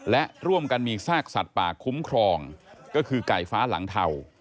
และร่วมกันมีซากสัตว์ป่าคุ้มครองก็คือไก่ฟ้าหลังเทา